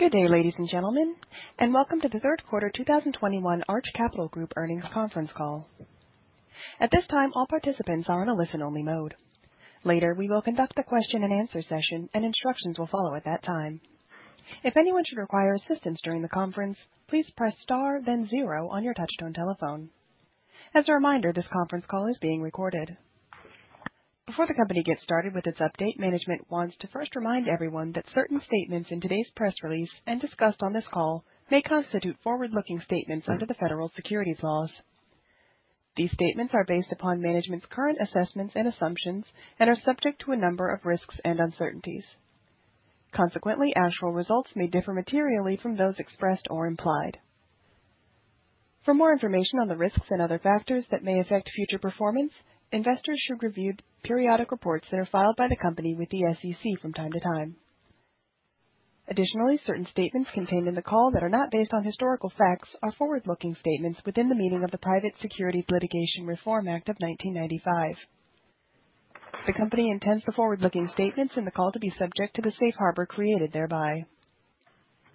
Good day, ladies and gentlemen, and welcome to the Q3 2021 Arch Capital Group Earnings Conference Call. At this time, all participants are in a listen-only mode. Later, we will conduct the Q&A session, and instructions will follow at that time. If anyone should require assistance during the conference, please press star zero on your touch-tone telephone. As a reminder, this conference call is being recorded. Before the company gets started with its update, management wants to first remind everyone that certain statements in today's press release and discussed on this call may constitute forward-looking statements under the federal securities laws. These statements are based upon management's current assessments and assumptions and are subject to a number of risks and uncertainties. Consequently, actual results may differ materially from those expressed or implied. For more information on the risks and other factors that may affect future performance, investors should review the periodic reports that are filed by the company with the SEC from time to time. Additionally, certain statements contained in the call that are not based on historical facts are forward-looking statements within the meaning of the Private Securities Litigation Reform Act of 1995. The company intends the forward-looking statements in the call to be subject to the safe harbor created thereby.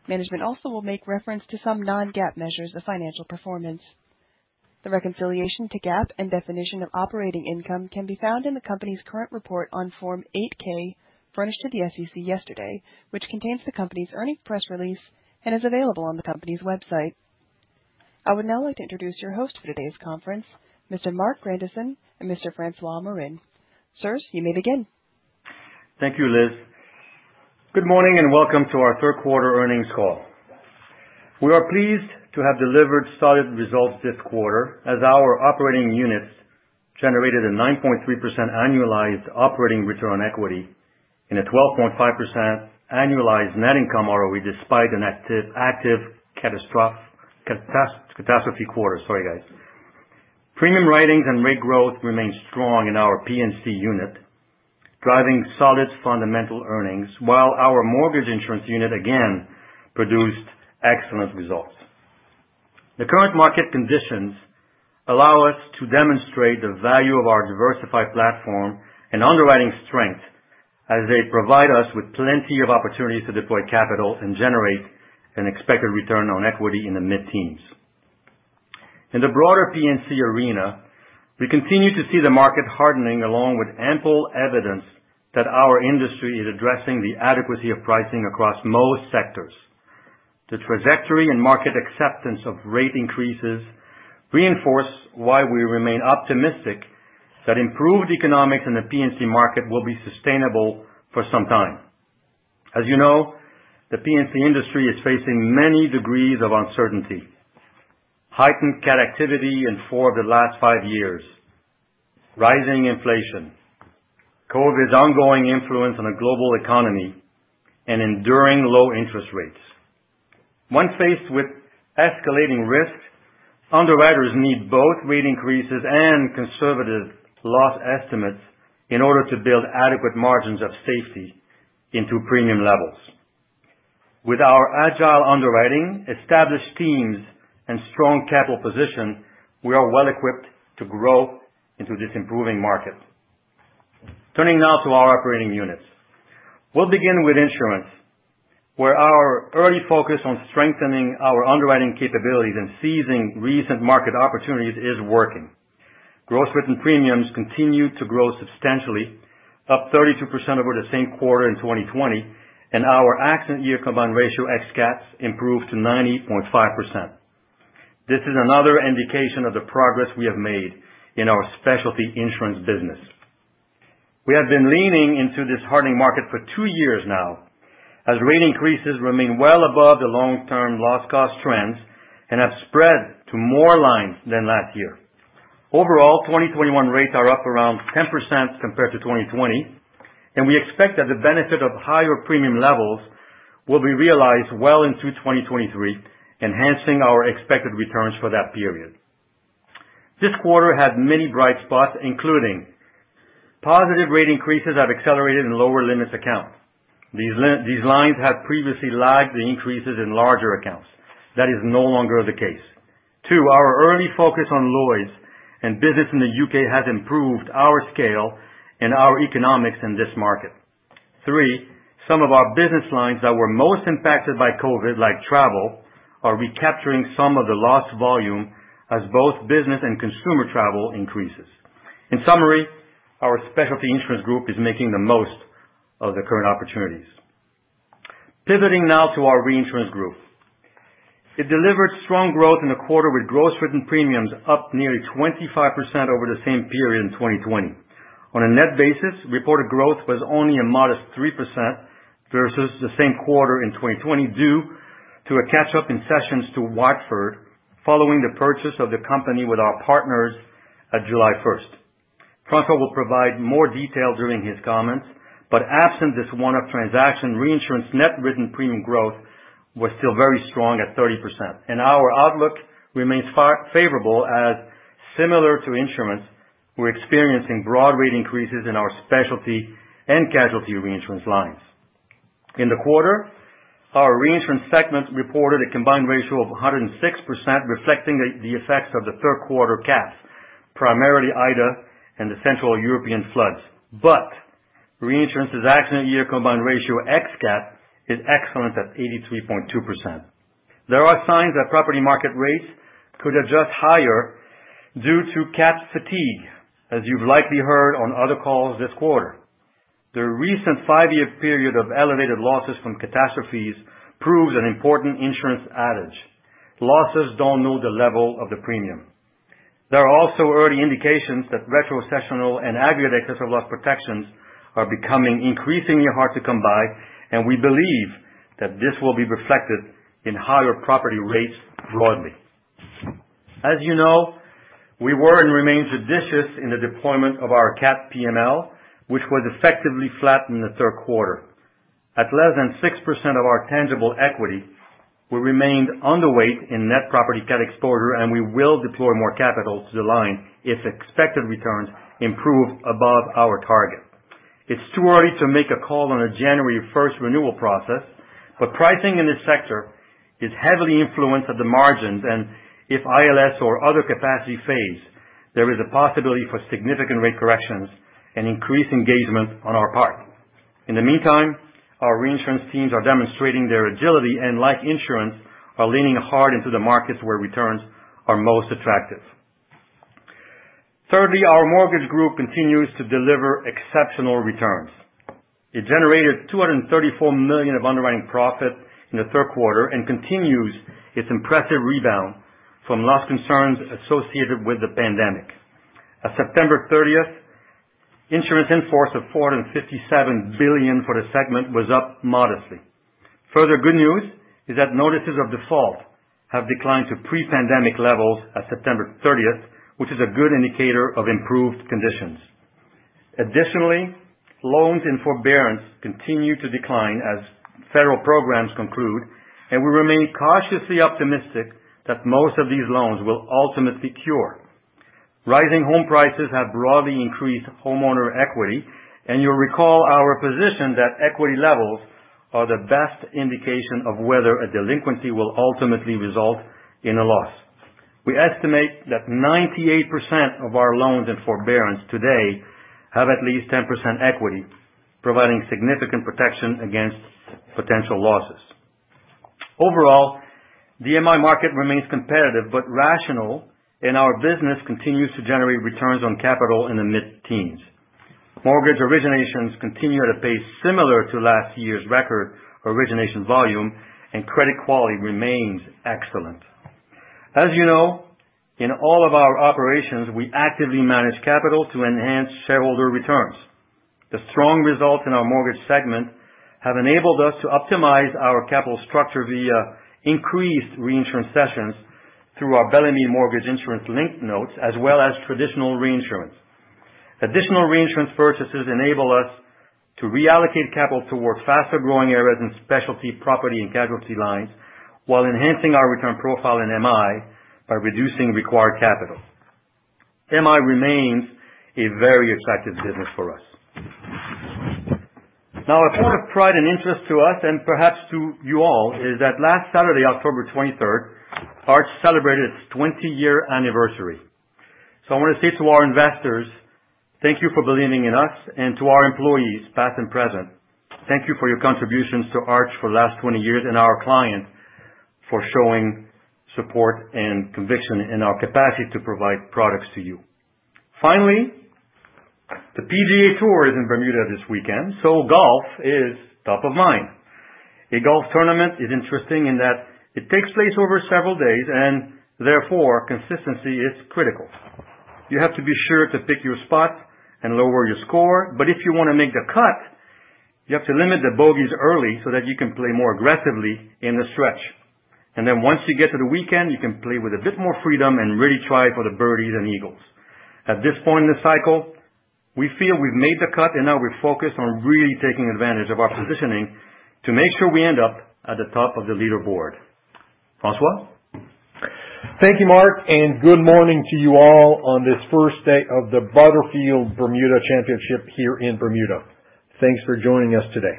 Management also will make reference to some non-GAAP measures of financial performance. The reconciliation to GAAP and definition of operating income can be found in the company's current report on Form 8-K furnished to the SEC yesterday, which contains the company's earnings press release and is available on the company's website. I would now like to introduce your host for today's conference, Mr. Marc Grandisson and Mr. François Morin. Sirs, you may begin. Thank you, Liz. Good morning and welcome to our Q3 earnings call. We are pleased to have delivered solid results this quarter as our operating units generated a 9.3% annualized operating return on equity and a 12.5% annualized net income ROE despite an active catastrophe quarter. Sorry, guys. Premium writings and rate growth remains strong in our P&C unit, driving solid fundamental earnings, while our mortgage insurance unit again produced excellent results. The current market conditions allow us to demonstrate the value of our diversified platform and underwriting strength as they provide us with plenty of opportunities to deploy capital and generate an expected return on equity in the mid-teens. In the broader P&C arena, we continue to see the market hardening, along with ample evidence that our industry is addressing the adequacy of pricing across most sectors. The trajectory and market acceptance of rate increases reinforce why we remain optimistic that improved economics in the P&C market will be sustainable for some time. As you know, the P&C industry is facing many degrees of uncertainty, heightened cat activity in four of the last five years, rising inflation, COVID's ongoing influence on a global economy, and enduring low interest rates. When faced with escalating risks, underwriters need both rate increases and conservative loss estimates in order to build adequate margins of safety into premium levels. With our agile underwriting, established teams, and strong capital position, we are well equipped to grow into this improving market. Turning now to our operating units. We'll begin with insurance, where our early focus on strengthening our underwriting capabilities and seizing recent market opportunities is working. Gross written premiums continued to grow substantially, up 32% over the same quarter in 2020, and our accident year combined ratio ex cats improved to 90.5%. This is another indication of the progress we have made in our specialty insurance business. We have been leaning into this hardening market for two years now as rate increases remain well above the long-term loss cost trends and have spread to more lines than last year. Overall, 2021 rates are up around 10% compared to 2020, and we expect that the benefit of higher premium levels will be realized well into 2023, enhancing our expected returns for that period. This quarter had many bright spots, including positive rate increases that accelerated in lower limits accounts. These lines had previously lagged the increases in larger accounts. That is no longer the case. Two, our early focus on Lloyd's and business in the U.K. has improved our scale and our economics in this market. Three, some of our business lines that were most impacted by COVID, like travel, are recapturing some of the lost volume as both business and consumer travel increases. In summary, our specialty insurance group is making the most of the current opportunities. Pivoting now to our reinsurance group. It delivered strong growth in the quarter, with gross written premiums up nearly 25% over the same period in 2020. On a net basis, reported growth was only a modest 3% versus the same quarter in 2020 due to a catch-up in cessions to Watford following the purchase of the company with our partners at July 1. François will provide more detail during his comments, but absent this one-off transaction, reinsurance net written premium growth was still very strong at 30%, and our outlook remains favorable as similar to insurance, we're experiencing broad rate increases in our specialty and casualty reinsurance lines. In the quarter, our reinsurance segment reported a combined ratio of 106%, reflecting the effects of the Q3 CATs, primarily Ida and the Central European floods. Reinsurance's accident year combined ratio ex-CAT is excellent at 83.2%. There are signs that property market rates could adjust higher due to CAT fatigue, as you've likely heard on other calls this quarter. The recent five-year period of elevated losses from catastrophes proves an important insurance adage: Losses don't know the level of the premium. There are also early indications that retrocessional and aggregate excess of loss protections are becoming increasingly hard to come by, and we believe that this will be reflected in higher property rates broadly. As you know, we were and remain judicious in the deployment of our CAT PML, which was effectively flat in the Q3. At less than 6% of our tangible equity, we remained underweight in net property CAT exposure, and we will deploy more capital to the line if expected returns improve above our target. It's too early to make a call on a January first renewal process, but pricing in this sector is heavily influenced at the margins, and if ILS or other capacity fades, there is a possibility for significant rate corrections and increased engagement on our part. In the meantime, our reinsurance teams are demonstrating their agility and, like insurance, are leaning hard into the markets where returns are most attractive. Thirdly, our mortgage group continues to deliver exceptional returns. It generated $234 million of underwriting profit in the Q3 and continues its impressive rebound from loss concerns associated with the pandemic. As of September 30, insurance in force of $457 billion for the segment was up modestly. Further good news is that notices of default have declined to pre-pandemic levels as of September 30, which is a good indicator of improved conditions. Additionally, loans in forbearance continue to decline as federal programs conclude, and we remain cautiously optimistic that most of these loans will ultimately cure. Rising home prices have broadly increased homeowner equity, and you'll recall our position that equity levels are the best indication of whether a delinquency will ultimately result in a loss. We estimate that 98% of our loans in forbearance today have at least 10% equity, providing significant protection against potential losses. Overall, the MI market remains competitive, but rational, and our business continues to generate returns on capital in the mid-teens. Mortgage originations continue at a pace similar to last year's record origination volume and credit quality remains excellent. As you know, in all of our operations, we actively manage capital to enhance shareholder returns. The strong results in our mortgage segment have enabled us to optimize our capital structure via increased reinsurance cessions through our Bellemeade Mortgage Insurance-linked notes, as well as traditional reinsurance. Additional reinsurance purchases enable us to reallocate capital towards faster-growing areas in specialty property and casualty lines while enhancing our return profile in MI by reducing required capital. MI remains a very attractive business for us. Now, a point of pride and interest to us and perhaps to you all is that last Saturday, October 23, Arch celebrated its 20-year anniversary. I wanna say to our investors, thank you for believing in us, and to our employees, past and present, thank you for your contributions to Arch for the last 20 years, and our clients for showing support and conviction in our capacity to provide products to you. Finally, the PGA Tour is in Bermuda this weekend, so golf is top of mind. A golf tournament is interesting in that it takes place over several days and therefore consistency is critical. You have to be sure to pick your spot and lower your score, but if you wanna make the cut, you have to limit the bogeys early so that you can play more aggressively in the stretch. Once you get to the weekend, you can play with a bit more freedom and really try for the birdies and eagles. At this point in the cycle, we feel we've made the cut and now we're focused on really taking advantage of our positioning to make sure we end up at the top of the leaderboard. François? Thank you, Marc, and good morning to you all on this first day of the Butterfield Bermuda Championship here in Bermuda. Thanks for joining us today.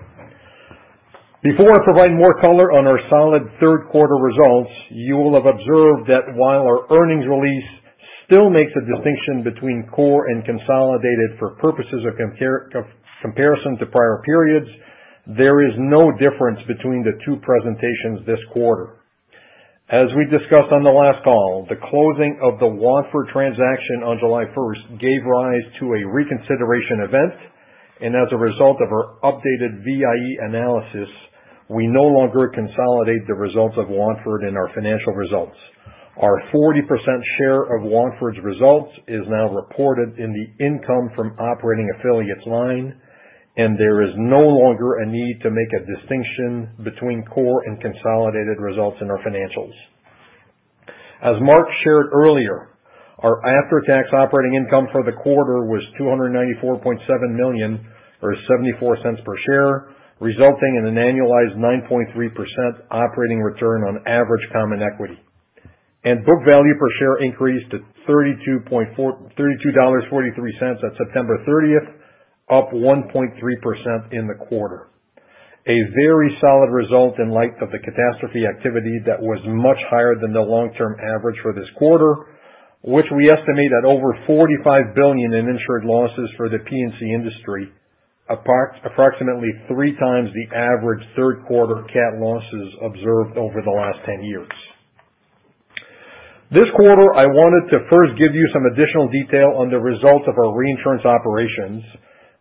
Before I provide more color on our solid Q3 results, you will have observed that while our earnings release still makes a distinction between core and consolidated for purposes of comparison to prior periods, there is no difference between the two presentations this quarter. As we discussed on the last call, the closing of the Watford transaction on July first gave rise to a reconsideration event, and as a result of our updated VIE analysis, we no longer consolidate the results of Watford in our financial results. Our 40% share of Watford results is now reported in the income from operating affiliates line, and there is no longer a need to make a distinction between core and consolidated results in our financials. As Marc shared earlier, our after-tax operating income for the quarter was $294.7 million, or $0.74 per share, resulting in an annualized 9.3% operating return on average common equity. Book value per share increased to $32.43 at September 30, up 1.3% in the quarter. Very solid result in light of the catastrophe activity that was much higher than the long-term average for this quarter, which we estimate at over $45 billion in insured losses for the P&C industry, approximately 3x the average Q3 cat losses observed over the last 10 years. This quarter, I wanted to first give you some additional detail on the results of our reinsurance operations,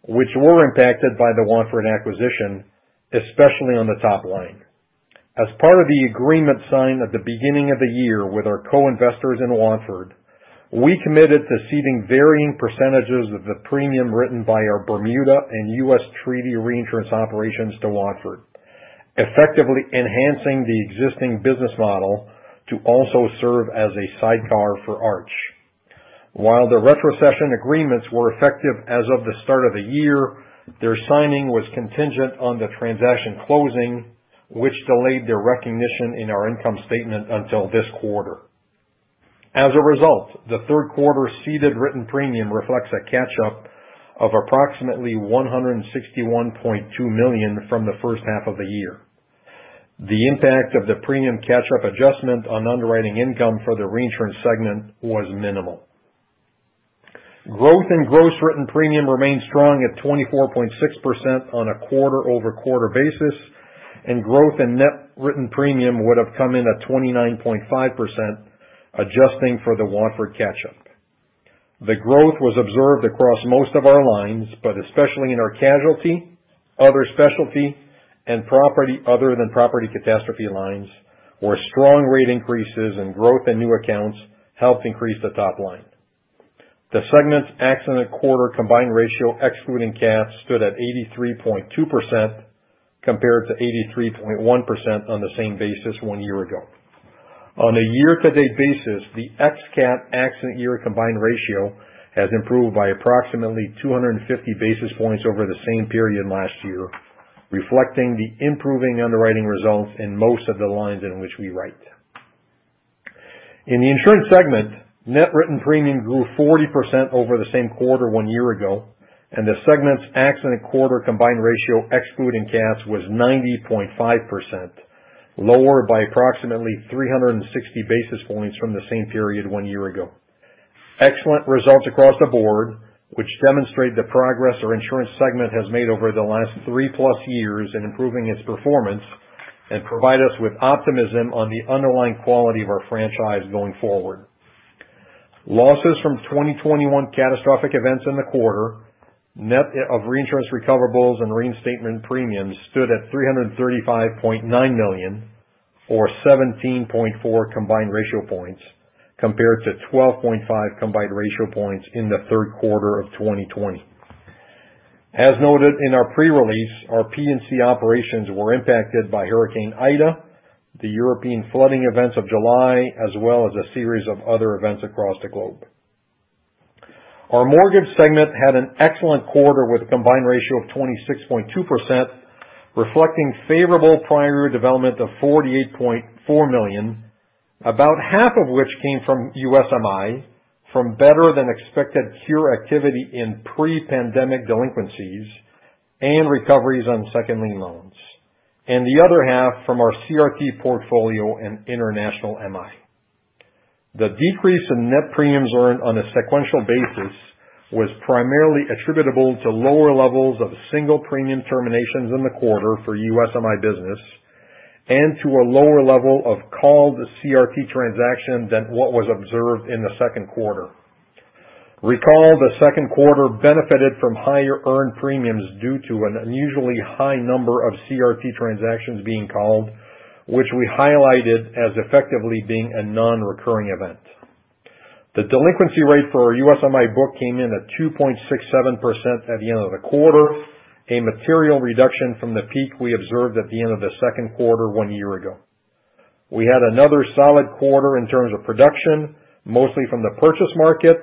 which were impacted by the Watford acquisition, especially on the top line. As part of the agreement signed at the beginning of the year with our co-investors in Watford, we committed to ceding varying percentages of the premium written by our Bermuda and U.S. Treaty Reinsurance operations to Watford, effectively enhancing the existing business model to also serve as a sidecar for Arch. While the retrocession agreements were effective as of the start of the year, their signing was contingent on the transaction closing, which delayed their recognition in our income statement until this quarter. As a result, the Q3 ceded written premium reflects a catch-up of approximately $161.2 million from the first half of the year. The impact of the premium catch-up adjustment on underwriting income for the reinsurance segment was minimal. Growth in gross written premium remained strong at 24.6% on a quarter-over-quarter basis, and growth in net written premium would have come in at 29.5%, adjusting for the Watford catch-up. The growth was observed across most of our lines, but especially in our casualty, other specialty, and property, other-than-property catastrophe lines, where strong rate increases and growth in new accounts helped increase the top line. The segment's accident quarter combined ratio, excluding cats, stood at 83.2%, compared to 83.1% on the same basis one year ago. On a year-to-date basis, the ex cat accident year combined ratio has improved by approximately 250 basis points over the same period last year, reflecting the improving underwriting results in most of the lines in which we write. In the insurance segment, net written premium grew 40% over the same quarter one year ago, and the segment's accident year combined ratio, excluding cats, was 90.5%, lower by approximately 360 basis points from the same period one year ago. Excellent results across the board, which demonstrate the progress our insurance segment has made over the last three-plus years in improving its performance and provide us with optimism on the underlying quality of our franchise going forward. Losses from 2021 catastrophic events in the quarter, net of reinsurance recoverables and reinstatement premiums, stood at $335.9 million, or 17.4 combined ratio points, compared to 12.5 combined ratio points in the Q3 of 2020. As noted in our pre-release, our P&C operations were impacted by Hurricane Ida, the European flooding events of July, as well as a series of other events across the globe. Our mortgage segment had an excellent quarter with a combined ratio of 26.2%, reflecting favorable prior year development of $48.4 million, about half of which came from USMI from better-than-expected cure activity in pre-pandemic delinquencies and recoveries on second lien loans, and the other half from our CRT portfolio and international MI. The decrease in net premiums earned on a sequential basis was primarily attributable to lower levels of single premium terminations in the quarter for USMI business and to a lower level of called CRT transactions than what was observed in the Q2. Recall the Q2 benefited from higher earned premiums due to an unusually high number of CRT transactions being called, which we highlighted as effectively being a non-recurring event. The delinquency rate for our USMI book came in at 2.67% at the end of the quarter, a material reduction from the peak we observed at the end of the Q2 one year ago. We had another solid quarter in terms of production, mostly from the purchase market,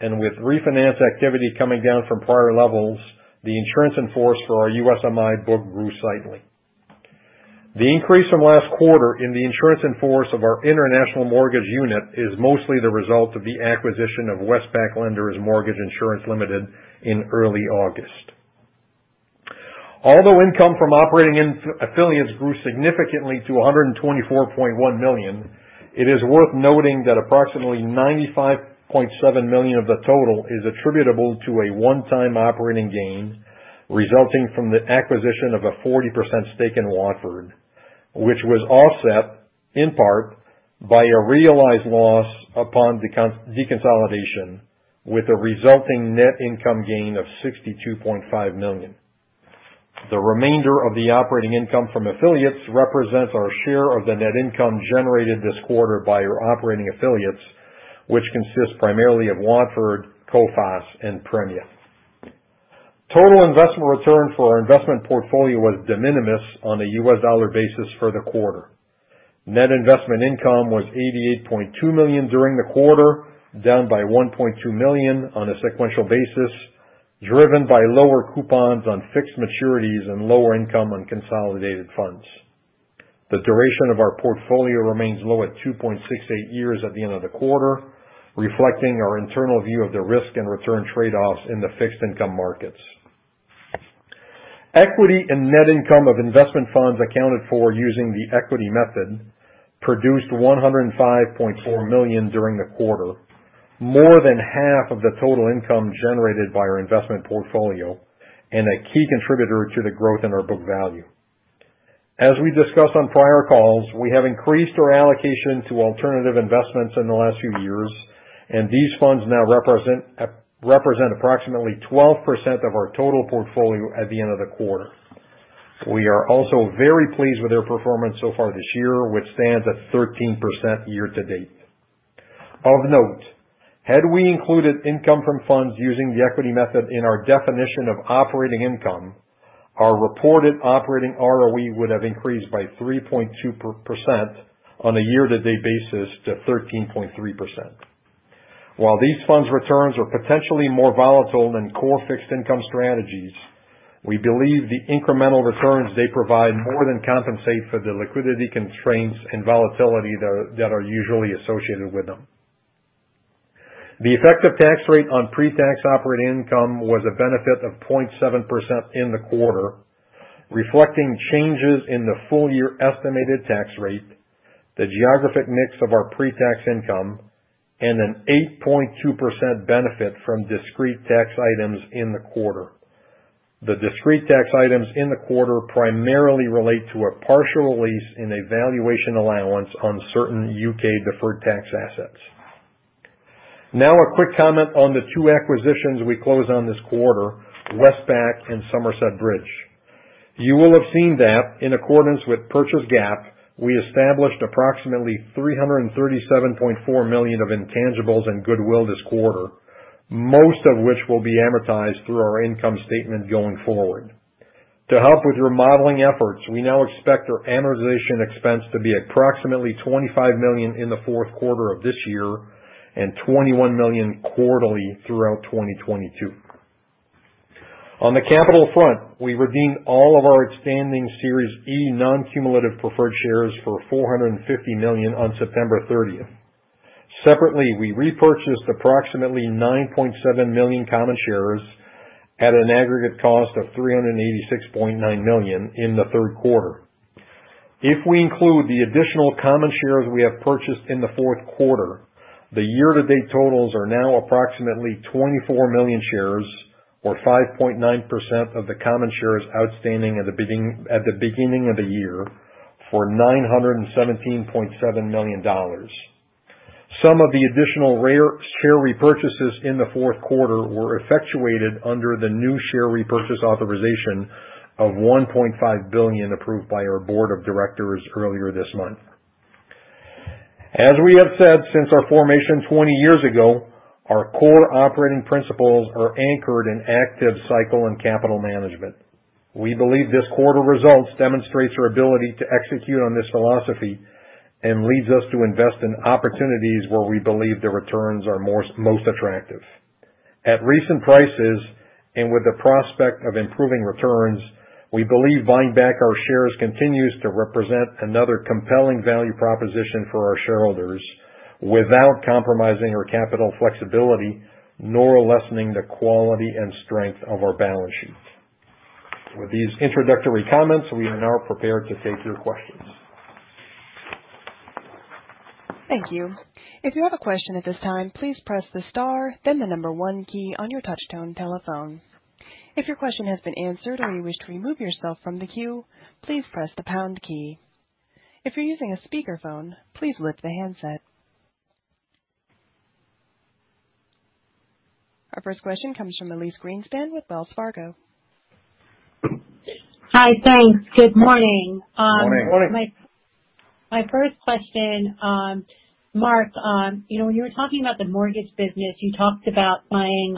and with refinance activity coming down from prior levels, the insurance-in-force for our USMI book grew slightly. The increase from last quarter in the insurance-in-force of our international mortgage unit is mostly the result of the acquisition of Westpac Lenders Mortgage Insurance Limited in early August. Although income from operating affiliates grew significantly to $124.1 million, it is worth noting that approximately $95.7 million of the total is attributable to a one-time operating gain resulting from the acquisition of a 40% stake in Watford, which was offset, in part, by a realized loss upon deconsolidation, with a resulting net income gain of $62.5 million. The remainder of the operating income from affiliates represents our share of the net income generated this quarter by our operating affiliates, which consists primarily of Watford, Coface, and Premia. Total investment return for our investment portfolio was de minimis on a U.S. dollar basis for the quarter. Net investment income was $88.2 million during the quarter, down by $1.2 million on a sequential basis, driven by lower coupons on fixed maturities and lower income on consolidated funds. The duration of our portfolio remains low at 2.68 years at the end of the quarter, reflecting our internal view of the risk and return trade-offs in the fixed income markets. Equity and net income of investment funds accounted for using the equity method produced $105.4 million during the quarter, more than half of the total income generated by our investment portfolio and a key contributor to the growth in our book value. As we discussed on prior calls, we have increased our allocation to alternative investments in the last few years, and these funds now represent approximately 12% of our total portfolio at the end of the quarter. We are also very pleased with their performance so far this year, which stands at 13% year-to-date. Of note, had we included income from funds using the equity method in our definition of operating income, our reported operating ROE would have increased by 3.2% on a year-to-date basis to 13.3%. While these funds returns are potentially more volatile than core fixed income strategies, we believe the incremental returns they provide more than compensate for the liquidity constraints and volatility that are usually associated with them. The effective tax rate on pre-tax operating income was a benefit of 0.7% in the quarter, reflecting changes in the full year estimated tax rate, the geographic mix of our pre-tax income, and an 8.2% benefit from discrete tax items in the quarter. The discrete tax items in the quarter primarily relate to a partial release in a valuation allowance on certain U.K. deferred tax assets. Now a quick comment on the two acquisitions we closed on this quarter, Westpac and Somerset Bridge. You will have seen that in accordance with purchase GAAP, we established approximately $337.4 million of intangibles and goodwill this quarter, most of which will be amortized through our income statement going forward. To help with your modeling efforts, we now expect our amortization expense to be approximately $25 million in the Q4 of this year and $21 million quarterly throughout 2022. On the capital front, we redeemed all of our outstanding Series E non-cumulative preferred shares for $450 million on September 30. Separately, we repurchased approximately 9.7 million common shares at an aggregate cost of $386.9 million in the Q3. If we include the additional common shares we have purchased in the Q4, the year-to-date totals are now approximately 24 million shares or 5.9% of the common shares outstanding at the beginning of the year for $917.7 million. Some of the additional our share repurchases in the Q4 were effectuated under the new share repurchase authorization of $1.5 billion approved by our board of directors earlier this month. As we have said since our formation 20 years ago, our core operating principles are anchored in active cycle and capital management. We believe this quarter results demonstrates our ability to execute on this philosophy and leads us to invest in opportunities where we believe the returns are most attractive. At recent prices, and with the prospect of improving returns, we believe buying back our shares continues to represent another compelling value proposition for our shareholders without compromising our capital flexibility nor lessening the quality and strength of our balance sheet. With these introductory comments, we are now prepared to take your questions. Our first question comes from Elyse Greenspan with Wells Fargo. Hi, thanks. Good morning. Morning. My first question, Marc, you know, when you were talking about the mortgage business, you talked about buying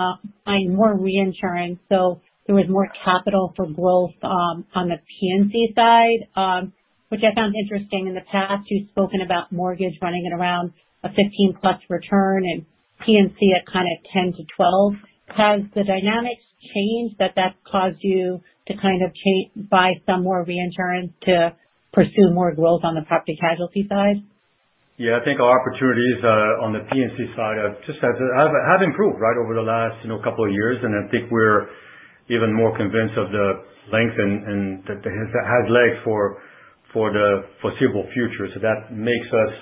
more reinsurance, so there was more capital for growth on the P&C side, which I found interesting. In the past, you've spoken about mortgage running at around a 15+ return and P&C at kinda 10% to 12%. Has the dynamics changed that's caused you to kind of buy some more reinsurance to pursue more growth on the property casualty side? Yeah. I think our opportunities on the P&C side have improved right over the last, you know, couple of years. I think we're even more convinced of the length and that it has legs for the foreseeable future. That makes us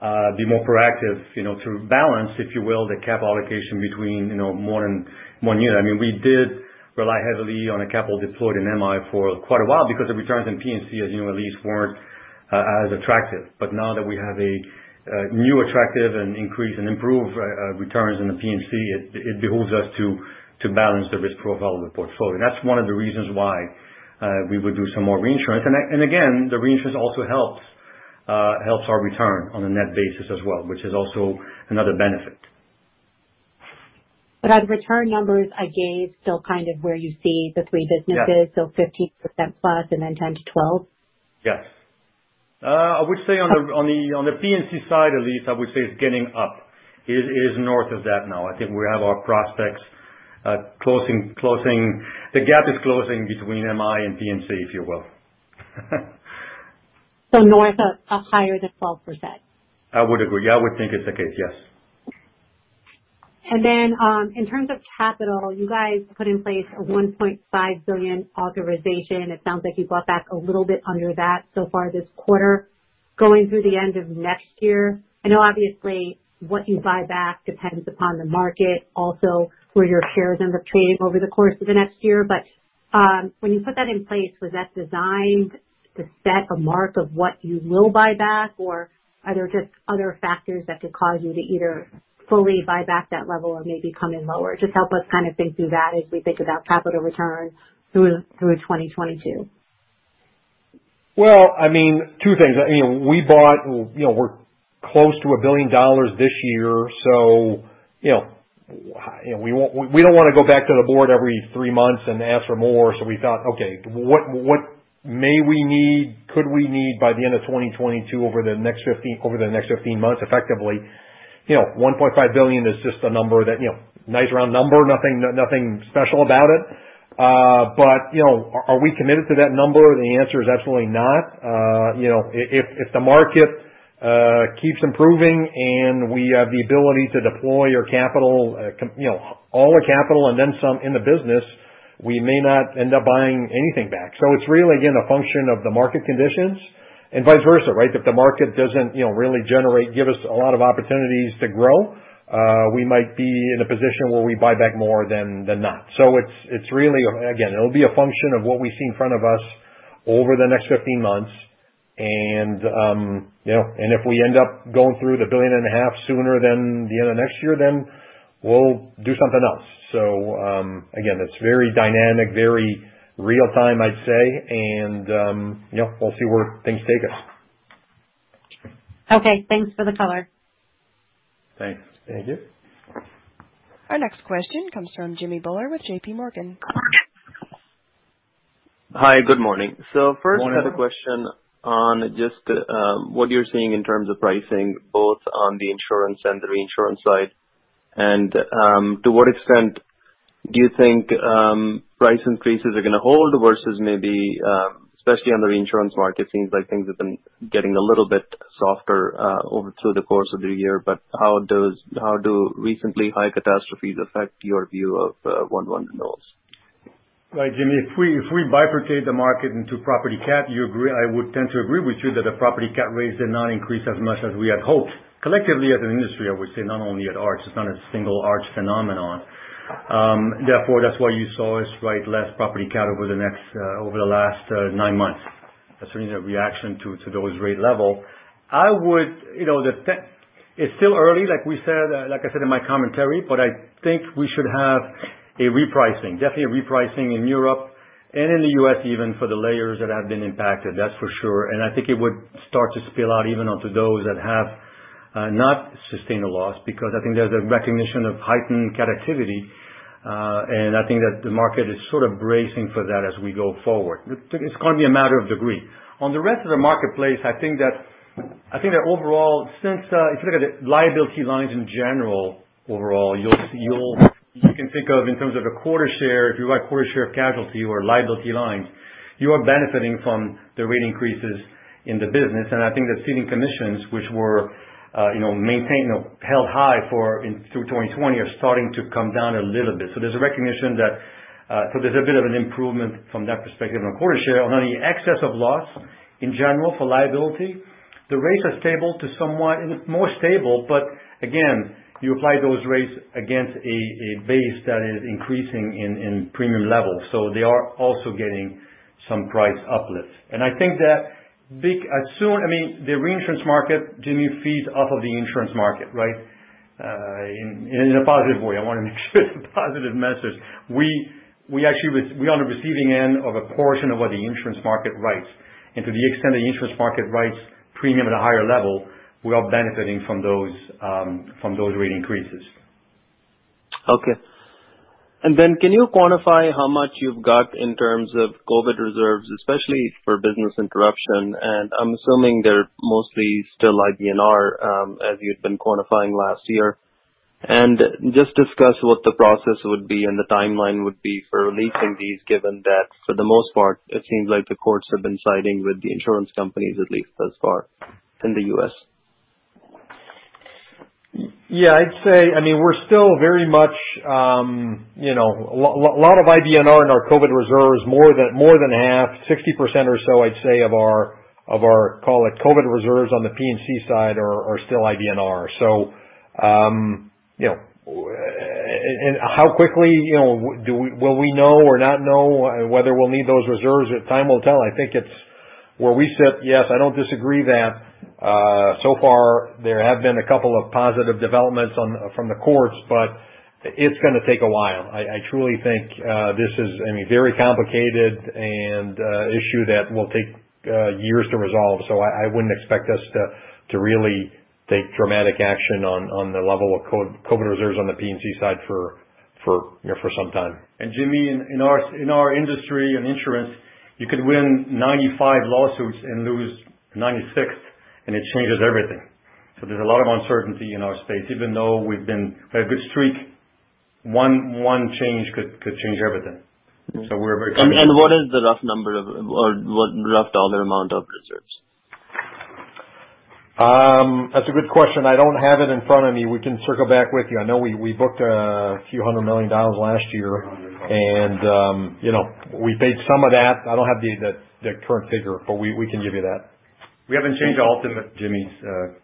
be more proactive, you know, to balance, if you will, the cap allocation between P&C and MI. I mean, we did rely heavily on capital deployed in MI for quite a while because the returns in P&C, as you know, at least weren't as attractive. Now that we have a new attractive and increased and improved returns in the P&C, it behooves us to balance the risk profile of the portfolio. That's one of the reasons why we would do some more reinsurance. Again, the reinsurance also helps our return on a net basis as well, which is also another benefit. On return numbers, I guess still kind of where you see the three businesses. Yeah. 15% plus and then 10%-12%? Yes. I would say on the P&C side, Elyse, I would say it's getting up. It is north of that now. I think we have our prospects closing. The gap is closing between MI and P&C, if you will. North of higher than 12%. I would agree. I would think it's the case, yes. In terms of capital, you guys put in place a $1.5 billion authorization. It sounds like you bought back a little bit under that so far this quarter. Going through the end of next year, I know obviously what you buy back depends upon the market, also where your shares end up trading over the course of the next year, but when you put that in place, was that designed to set a mark of what you will buy back, or are there just other factors that could cause you to either fully buy back that level or maybe come in lower? Just help us kind of think through that as we think about capital return through 2022. Well, I mean, two things. You know, we bought, you know, we're close to $1 billion this year, so, you know, we don't wanna go back to the board every three months and ask for more. We thought, "Okay, what may we need, could we need by the end of 2022 over the next 15 months effectively?" You know, $1.5 billion is just a number that, you know, nice round number. Nothing special about it. But, you know, are we committed to that number? The answer is absolutely not. You know, if the market keeps improving and we have the ability to deploy our capital, you know, all our capital and then some in the business, we may not end up buying anything back. It's really, again, a function of the market conditions and vice versa, right? If the market doesn't, you know, really generate, give us a lot of opportunities to grow, we might be in a position where we buy back more than not. It's really again, it'll be a function of what we see in front of us over the next 15 months. You know, and if we end up going through the $1.5 billion sooner than the end of next year, then we'll do something else. Again, it's very dynamic, very real time, I'd say. You know, we'll see where things take us. Okay. Thanks for the color. Thanks. Thank you. Our next question comes from Jimmy Bhullar with JPMorgan. Go ahead. Hi, good morning. Morning. First I had a question on just what you're seeing in terms of pricing, both on the insurance and the reinsurance side. To what extent do you think price increases are gonna hold versus maybe, especially on the reinsurance market, seems like things have been getting a little bit softer over the course of the year. How do recent high catastrophes affect your view of one-year notes? Right. Jimmy, if we bifurcate the market into property cat, you agree, I would tend to agree with you that the property cat rates did not increase as much as we had hoped. Collectively as an industry, I would say, not only at Arch, it's not a single Arch phenomenon. Therefore, that's why you saw us write less property cat over the last nine months. That's really the reaction to those rate level. I would. You know, it's still early, like we said, like I said in my commentary, but I think we should have a repricing, definitely a repricing in Europe and in the U.S. even for the layers that have been impacted, that's for sure. I think it would start to spill out even onto those that have not sustained a loss, because I think there's a recognition of heightened CAT activity. I think that the market is sort of bracing for that as we go forward. It's gonna be a matter of degree. On the rest of the marketplace, I think that overall, since if you look at the liability lines in general, overall, you can think of in terms of a quarter share, if you like, quarter share of casualty or liability lines, you are benefiting from the rate increases in the business. I think the ceding commissions, which were you know maintained or held high for in through 2020, are starting to come down a little bit. There's a bit of an improvement from that perspective on a quota share. On the excess of loss, in general, for liability, the rates are stable to somewhat more stable, but again, you apply those rates against a base that is increasing in premium levels, so they are also getting some price uplift. I mean, the reinsurance market, Jimmy, feeds off of the insurance market, right? In a positive way. I want to make sure it's a positive message. We're on the receiving end of a portion of what the insurance market writes. To the extent the insurance market writes premium at a higher level, we are benefiting from those rate increases. Okay. Then can you quantify how much you've got in terms of COVID reserves, especially for business interruption? I'm assuming they're mostly still IBNR, as you've been quantifying last year. Just discuss what the process would be and the timeline would be for releasing these, given that for the most part, it seems like the courts have been siding with the insurance companies, at least thus far in the U.S. Yeah, I'd say, I mean, we're still very much, you know, a lot of IBNR in our COVID reserves, more than half, 60% or so I'd say of our COVID reserves on the P&C side are still IBNR. You know, how quickly will we know or not know whether we'll need those reserves? Time will tell. I think it's where we sit. Yes, I don't disagree that so far there have been a couple of positive developments from the courts, but it's gonna take a while. I truly think this is, I mean, very complicated and issue that will take years to resolve. I wouldn't expect us to really take dramatic action on the level of COVID reserves on the P&C side, you know, for some time. Jimmy, in our industry, in insurance, you could win 95 lawsuits and lose 96, and it changes everything. There's a lot of uncertainty in our space. Even though we've been on a good streak, one change could change everything. We're very cautious. What is the rough dollar amount of reserves? That's a good question. I don't have it in front of me. We can circle back with you. I know we booked a few hundred million dollars last year, and you know, we paid some of that. I don't have the current figure, but we can give you that. We haven't changed the ultimate, Jimmy's.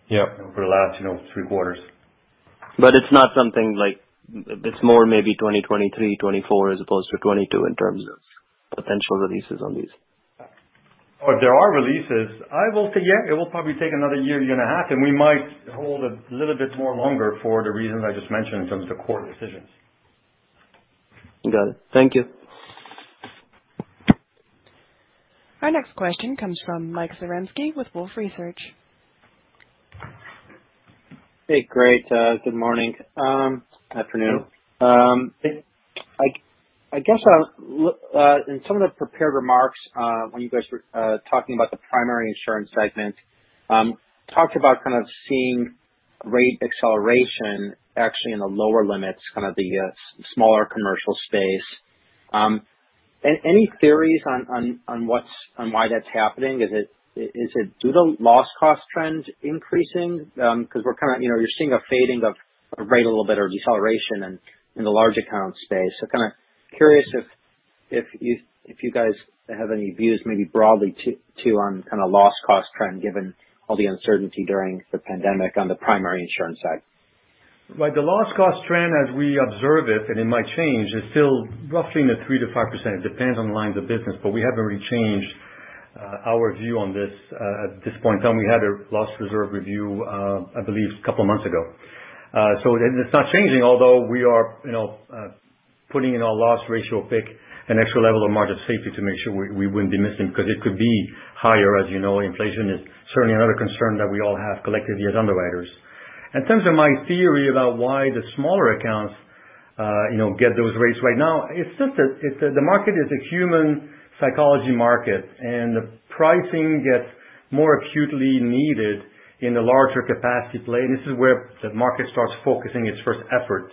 Yeah. For the last, you know, three quarters. It's not something like it's more maybe 2023, 2024 as opposed to 2022 in terms of potential releases on these. Oh, there are releases. I will say, yeah, it will probably take another year and a half, and we might hold a little bit more longer for the reasons I just mentioned in terms of court decisions. Got it. Thank you. Our next question comes from Mike Zaremski with Wolfe Research. Hey. Great, good morning, afternoon. I guess in some of the prepared remarks, when you guys were talking about the primary insurance segment, talked about kind of seeing great acceleration actually in the lower limits, kind of the smaller commercial space. Any theories on why that's happening? Is it due to loss cost trends increasing? 'Cause we're kinda, you know, you're seeing a fading of rate a little bit or deceleration in the large account space. Kind of curious if you guys have any views maybe broadly too on kind of loss cost trend, given all the uncertainty during the pandemic on the primary insurance side. Right. The loss cost trend as we observe it, and it might change, is still roughly in the 3%-5%. It depends on the lines of business, but we haven't really changed our view on this at this point in time. We had a loss reserve review I believe a couple of months ago. It's not changing, although we are, you know, putting in our loss ratio pick an extra level of margin of safety to make sure we wouldn't be missing, 'cause it could be higher. As you know, inflation is certainly another concern that we all have collectively as underwriters. In terms of my theory about why the smaller accounts, you know, get those rates right now, it's just that the market is a human psychology market, and the pricing gets more acutely needed in the larger capacity play. This is where the market starts focusing its first efforts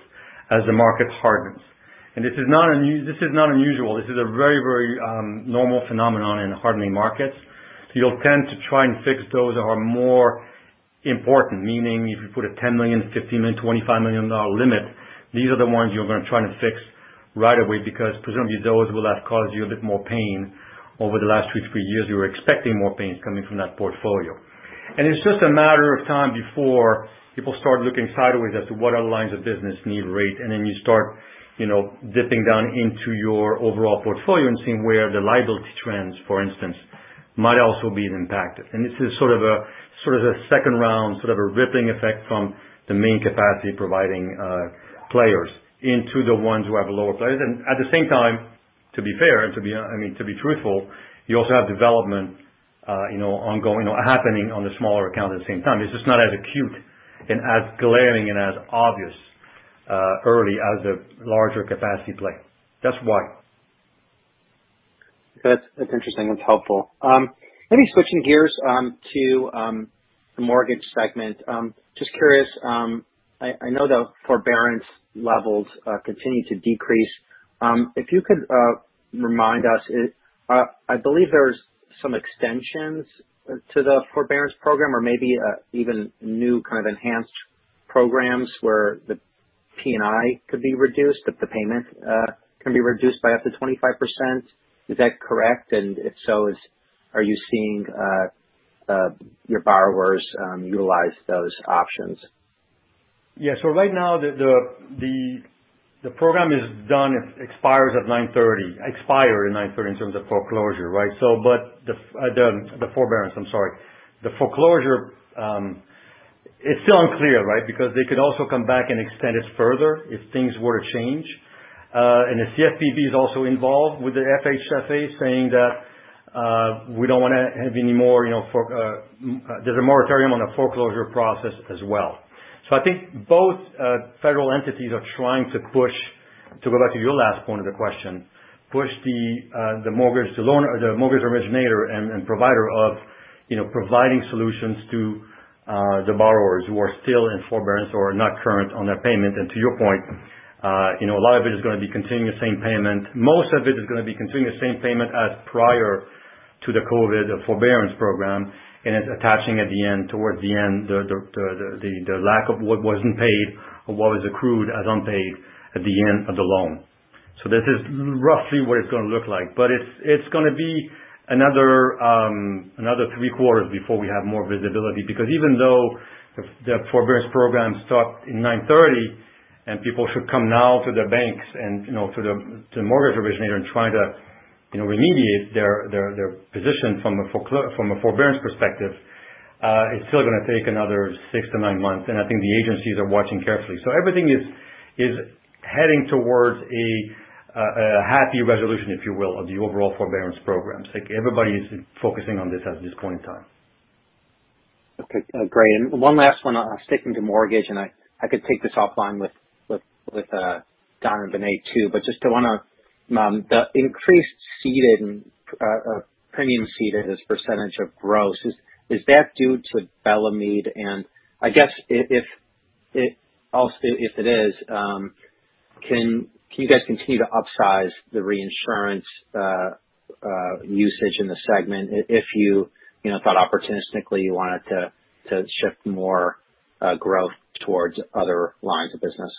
as the market hardens. This is not unusual. This is a very, very normal phenomenon in hardening markets. You'll tend to try and fix those that are more important, meaning if you put a $10 million, $15 million, $25 million dollar limit, these are the ones you're gonna try to fix right away because presumably those will have caused you a bit more pain over the last two, three years. You were expecting more pains coming from that portfolio. It's just a matter of time before people start looking sideways as to what other lines of business need rate. Then you start, you know, dipping down into your overall portfolio and seeing where the liability trends, for instance, might also be impacted. This is sort of a second round, sort of a rippling effect from the main capacity providing players into the ones who have lower players. At the same time, to be fair, I mean, to be truthful, you also have development, you know, ongoing or happening on the smaller accounts at the same time. It's just not as acute and as glaring and as obvious early as a larger capacity play. That's why. That's interesting. That's helpful. Maybe switching gears to the mortgage segment. Just curious, I know the forbearance levels continue to decrease. If you could remind us, I believe there's some extensions to the forbearance program or maybe even new kind of enhanced programs where the P&I could be reduced, if the payment can be reduced by up to 25%. Is that correct? If so, are you seeing your borrowers utilize those options? Yeah. Right now the program is done, it expired at 9/30 in terms of foreclosure, right? But the forbearance, I'm sorry. The foreclosure, it's still unclear, right? Because they could also come back and extend it further if things were to change. And the CFPB is also involved with the FHFA saying that we don't wanna have any more, you know. There's a moratorium on the foreclosure process as well. I think both federal entities are trying to push, to go back to your last point of the question, push the mortgage loan or the mortgage originator and provider of, you know, providing solutions to the borrowers who are still in forbearance or are not current on their payment. To your point, you know, a lot of it is gonna be continuing the same payment. Most of it is gonna be continuing the same payment as prior to the COVID forbearance program, and it's attaching at the end, towards the end, the lack of what wasn't paid or what was accrued as unpaid at the end of the loan. This is roughly what it's gonna look like. It's gonna be another three quarters before we have more visibility. Because even though the forbearance program stopped in 9/30, and people should come now to their banks and, you know, to the mortgage originator and try to, you know, remediate their position from a forbearance perspective, it's still gonna take another six-nine months, and I think the agencies are watching carefully. Everything is heading towards a happy resolution, if you will, of the overall forbearance programs. Like, everybody is focusing on this at this point in time. Okay, great. One last one. Sticking to mortgage, and I could take this offline with Don and Vinay too, but just to wanna. The increased ceded premium ceded as percentage of gross, is that due to Bellemeade? I guess if it is, can you guys continue to upsize the reinsurance usage in the segment if you know, thought opportunistically you wanted to shift more growth towards other lines of business?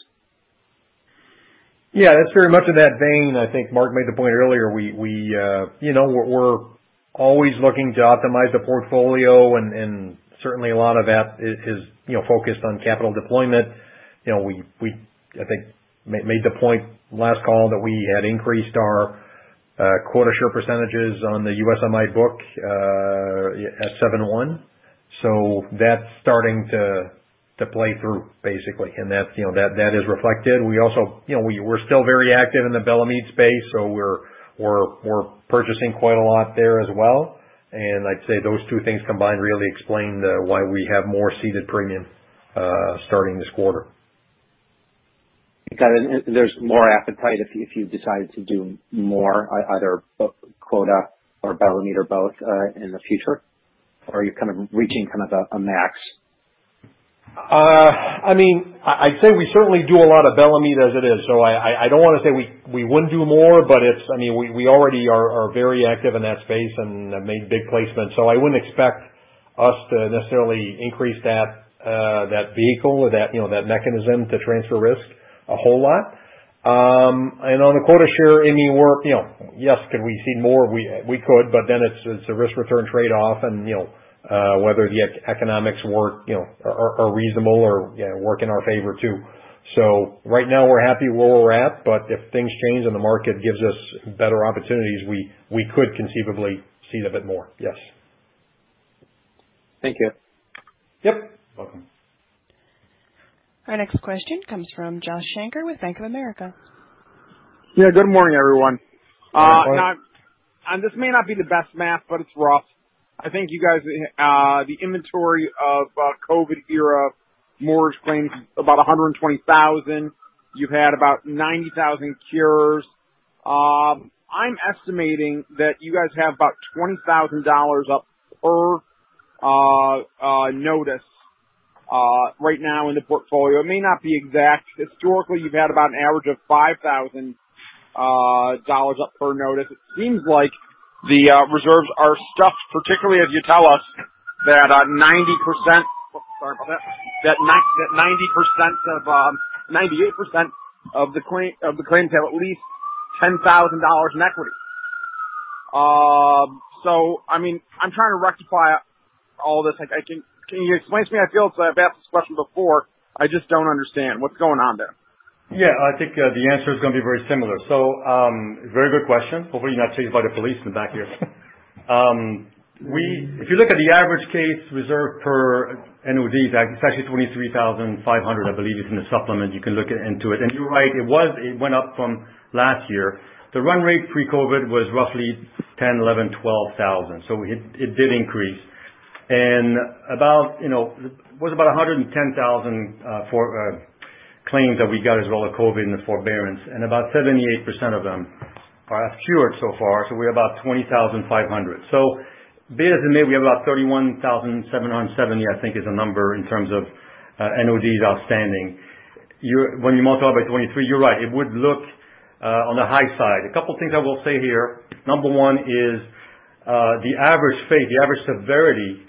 Yeah, it's very much in that vein. I think Marc made the point earlier. We you know, we're always looking to optimize the portfolio and certainly a lot of that is you know, focused on capital deployment. You know, we I think made the point last call that we had increased our quota share percentages on the USMI book at 71. So that's starting to play through basically. That's you know, that is reflected. We also you know, we're still very active in the Bellemeade space, so we're purchasing quite a lot there as well. I'd say those two things combined really explain why we have more ceded premium starting this quarter. Got it. There's more appetite if you decide to do more either book quota or Bellemeade or both, in the future? Are you kind of reaching kind of a max? I mean, I'd say we certainly do a lot of Bellemeade as it is, so I don't wanna say we wouldn't do more, but it's I mean, we already are very active in that space and have made big placements, so I wouldn't expect us to necessarily increase that vehicle or that, you know, that mechanism to transfer risk a whole lot. And on the quota share, I mean, we're, you know, yes, could we see more? We could, but then it's a risk return trade off and, you know, whether the economics work, you know, are reasonable or, you know, work in our favor too. So right now we're happy where we're at, but if things change and the market gives us better opportunities, we could conceivably cede a bit more. Yes. Thank you. Yep. Welcome. Our next question comes from Josh Shanker with Bank of America. Yeah, good morning, everyone. Good morning. Now, this may not be the best math, but it's rough. I think you guys, the inventory of COVID era mortgage claims, about 120,000. You've had about 90,000 cures. I'm estimating that you guys have about $20,000 up per notice right now in the portfolio. It may not be exact. Historically, you've had about an average of $5,000 up per notice. It seems like the reserves are stuffed, particularly as you tell us that 90% of 98% of the claims have at least $10,000 in equity. So I mean, I'm trying to rectify all this. Like I can. Can you explain to me? I feel, I've asked this question before, I just don't understand what's going on there. I think the answer is gonna be very similar. Very good question. Hopefully you're not chased by the police in the back here. If you look at the average case reserve per NOD, it's actually $23,500, I believe it's in the supplement. You can look into it. You're right, it went up from last year. The run rate pre-COVID was roughly $10,000-$12,000. It did increase. About, you know, it was about $110,000 for claims that we got as a result of COVID and the forbearance, and about 78% of them are cured so far. We're about $20,500. Vis-a-vis, we have about $31,770, I think is the number in terms of NODs outstanding. When you multiply by 23, you're right, it would look on the high side. A couple things I will say here. Number one is the average severity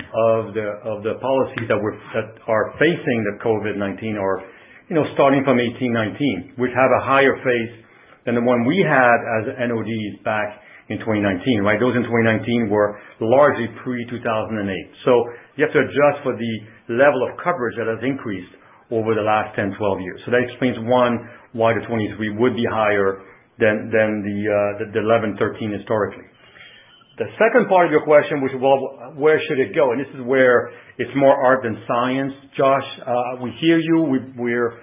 of the policies that are facing the COVID-19 or starting from 2018, 2019, which have a higher face than the one we had as NODs back in 2019, right? Those in 2019 were largely pre-2008. You have to adjust for the level of coverage that has increased over the last 10, 12 years. That explains one, why the 23 would be higher than the 11, 13 historically. The second part of your question was, well, where should it go? This is where it's more art than science, Josh. We hear you. We're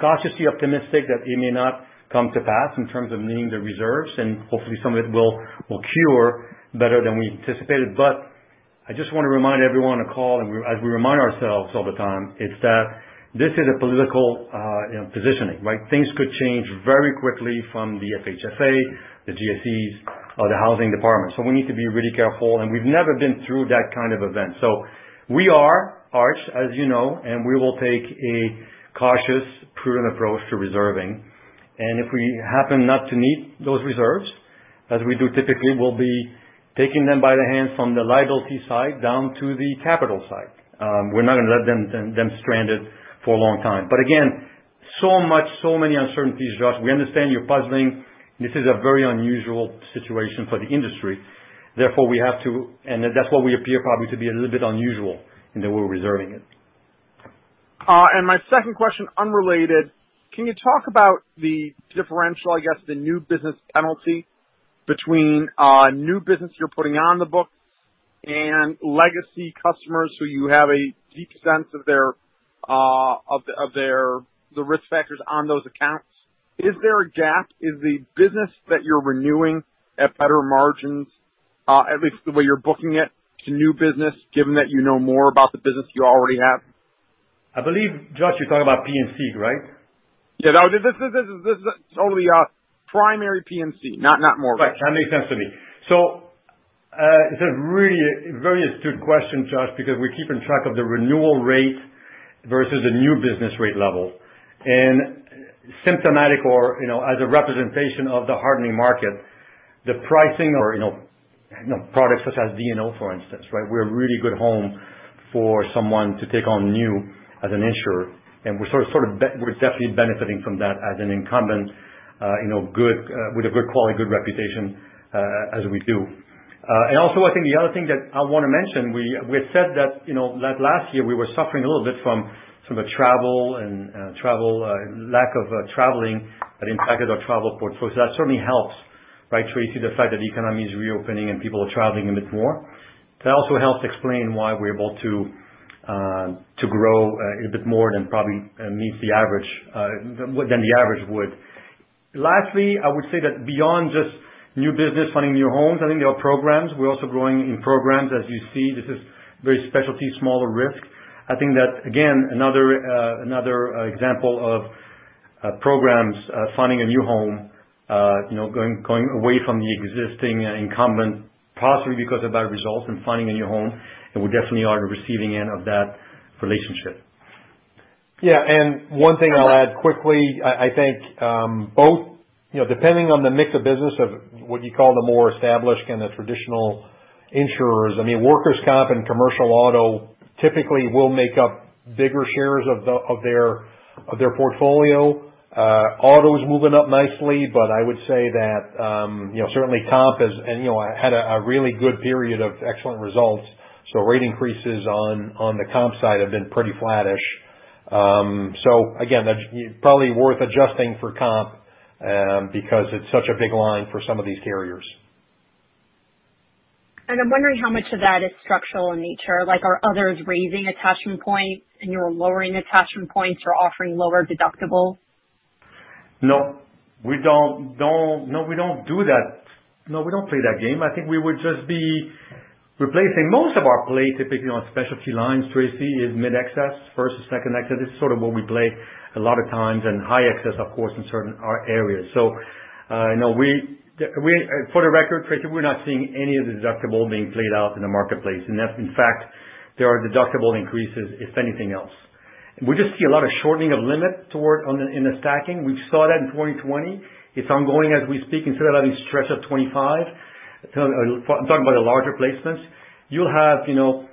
cautiously optimistic that it may not come to pass in terms of meeting the reserves, and hopefully some of it will cure better than we anticipated. I just wanna remind everyone on the call, and as we remind ourselves all the time, is that this is a political positioning, right? Things could change very quickly from the FHFA, the GSEs or the housing department. We need to be really careful, and we've never been through that kind of event. We are Arch, as you know, and we will take a cautious, prudent approach to reserving. If we happen not to meet those reserves, as we do typically, we'll be taking them by the hand from the liability side down to the capital side. We're not gonna let them stranded for a long time. Again, so much, so many uncertainties, Josh. We understand you're puzzled. This is a very unusual situation for the industry, therefore we have to. That's why we appear probably to be a little bit unusual in that we're reserving it. My second question, unrelated. Can you talk about the differential, I guess the new business penalty between new business you're putting on the books and legacy customers who you have a deep sense of their risk factors on those accounts. Is there a gap? Is the business that you're renewing at better margins, at least the way you're booking it to new business, given that you know more about the business you already have? I believe, Josh, you're talking about P&C, right? Yeah, no, this is only primary P&C, not more. Right. That makes sense to me. It's a really very astute question, Josh, because we're keeping track of the renewal rate versus the new business rate level. Symptomatic of the hardening market, the pricing on, you know, products such as D&O, for instance, right? We're a really good home for someone to take on new as an insurer. We're definitely benefiting from that as an incumbent, you know, good with a good quality, good reputation, as we do. I think the other thing that I wanna mention, we had said that, you know, last year we were suffering a little bit from a lack of traveling that impacted our travel portfolio. That certainly helps, right, Tracy, the fact that the economy is reopening and people are traveling a bit more. That also helps explain why we're able to grow a bit more than probably meets the average than the average would. Lastly, I would say that beyond just new business finding new homes, I think there are programs. We're also growing in programs. As you see, this is very specialty, smaller risk. I think that again, another example of programs finding a new home, you know, going away from the existing incumbent, possibly because of better results and finding a new home. We definitely are the receiving end of that relationship. Yeah. One thing I'll add quickly. I think both, you know, depending on the mix of business of what you call the more established and the traditional insurers, I mean, workers' comp and commercial auto typically will make up bigger shares of their portfolio. Auto is moving up nicely, but I would say that, you know, certainly comp has had a really good period of excellent results. Rate increases on the comp side have been pretty flattish. Again, that's probably worth adjusting for comp, because it's such a big line for some of these carriers. I'm wondering how much of that is structural in nature. Like, are others raising attachment points and you're lowering attachment points or offering lower deductibles? No, we don't do that. No, we don't play that game. I think we would just be replacing most of our play, typically on specialty lines, Tracy, is mid-excess, first or second excess. This is sort of what we play a lot of times and high excess of course in certain areas. No, we, for the record, Tracy, we're not seeing any of the deductible being played out in the marketplace. That's in fact there are deductible increases, if anything else. We just see a lot of shortening of limits toward, on the, in the stacking. We saw that in 2020. It's ongoing as we speak. Instead of having stretch of 25, talking about the larger placements, you'll have, you know,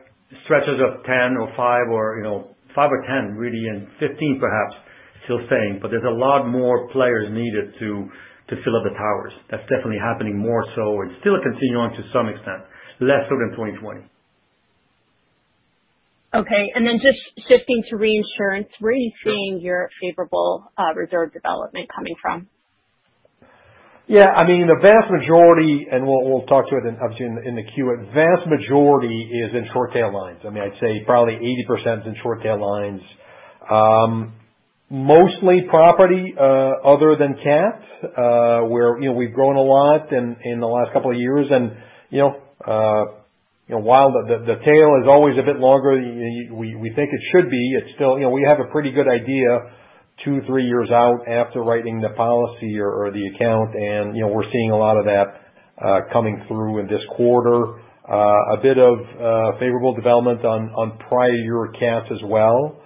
stretches of 10 or 5 or, you know, 5 or 10 really, and 15 perhaps still staying, but there's a lot more players needed to fill up the towers. That's definitely happening more so. It's still continuing to some extent, less so than 2020. Okay. Just shifting to reinsurance, where are you seeing your favorable reserve development coming from? Yeah, I mean, the vast majority, and we'll talk to it obviously in the Q. Vast majority is in short tail lines. I mean, I'd say probably 80% is in short tail lines. Mostly property, other than cats, where you know, we've grown a lot in the last couple of years. You know, while the tail is always a bit longer than we think it should be, it's still you know, we have a pretty good idea two, three years out after writing the policy or the account. You know, we're seeing a lot of that coming through in this quarter. A bit of favorable development on prior year cats as well.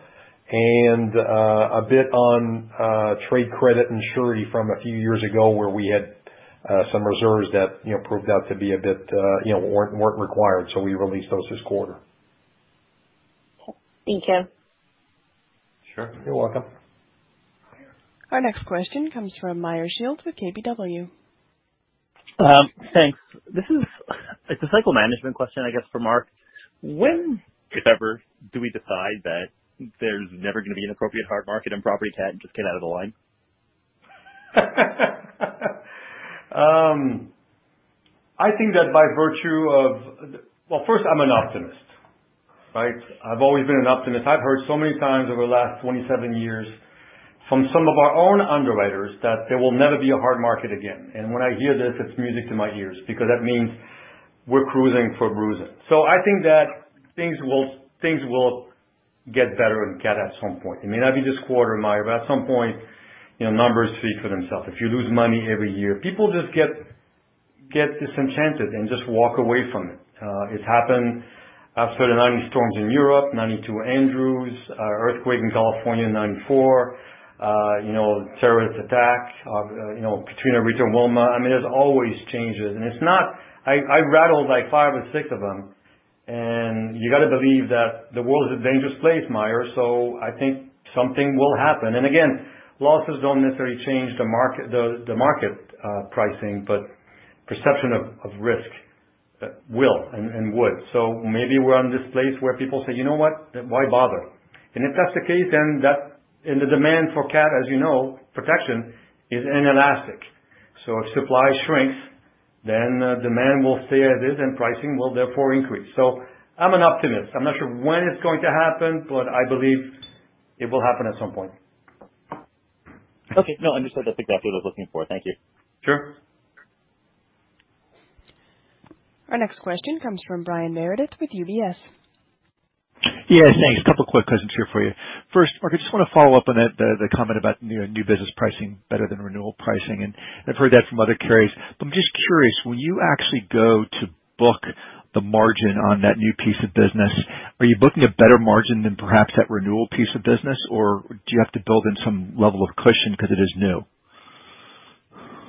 A bit on trade credit and surety from a few years ago where we had some reserves that you know proved out to be a bit you know weren't required. We released those this quarter. Thank you. Sure. You're welcome. Our next question comes from Meyer Shields with KBW. Thanks. It's a cycle management question, I guess, for Marc. When, if ever, do we decide that there's never gonna be an appropriate hard market in property cat and just get out of the line? I think that by virtue of. Well, first, I'm an optimist, right? I've always been an optimist. I've heard so many times over the last 27 years from some of our own underwriters that there will never be a hard market again. When I hear this, it's music to my ears because that means we're cruising for bruising. I think that things will get better and better at some point. It may not be this quarter, Meyer, but at some point, you know, numbers speak for themselves. If you lose money every year, people just get disenchanted and just walk away from it. It's happened after the 1990 storms in Europe, 1992 Andrew, earthquake in California in 1994, you know, terrorist attacks, you know, Katrina, Rita, Wilma. I mean, there's always changes. I rattled like five or six of them, and you gotta believe that the world is a dangerous place, Meyer. I think something will happen. Again, losses don't necessarily change the market, the market pricing, but perception of risk will and would. Maybe we're on this place where people say, "You know what? Why bother?" If that's the case, then that. The demand for CAT, as you know, protection, is inelastic. If supply shrinks, demand will stay as is and pricing will therefore increase. I'm an optimist. I'm not sure when it's going to happen, but I believe it will happen at some point. Okay. No, understood. That's exactly what I was looking for. Thank you. Sure. Our next question comes from Brian Meredith with UBS. Yeah, thanks. A couple quick questions here for you. First, Marc, I just wanna follow up on that, the comment about new business pricing better than renewal pricing. I've heard that from other carriers. I'm just curious, when you actually go to book the margin on that new piece of business, are you booking a better margin than perhaps that renewal piece of business? Or do you have to build in some level of cushion 'cause it is new?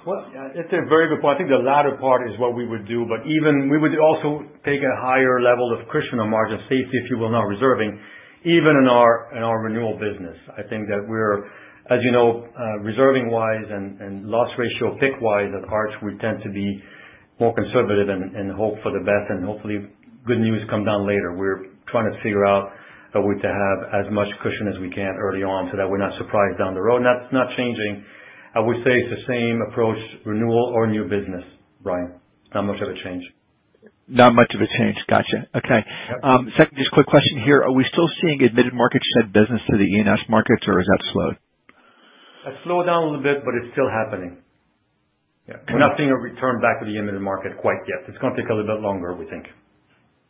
Well, it's a very good point. I think the latter part is what we would do, but even we would also take a higher level of cushion on margin, safety, if you will, not reserving, even in our renewal business. I think that we're, as you know, reserving-wise and loss ratio pick-wise at Arch, we tend to be more conservative and hope for the best, and hopefully good news come down later. We're trying to figure out a way to have as much cushion as we can early on so that we're not surprised down the road. That's not changing. I would say it's the same approach, renewal or new business, Brian. Not much of a change. Not much of a change. Gotcha. Okay. Yep. Second, just quick question here. Are we still seeing admitted market shed business through the E&S markets, or has that slowed? It's slowed down a little bit, but it's still happening. Yeah. We're not seeing a return back to the end of the market quite yet. It's gonna take a little bit longer, we think.